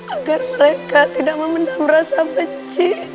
agar mereka tidak memendam rasa benci